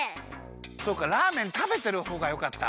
そうかラーメンたべてるほうがよかった？